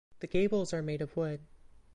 The gables are made of wood.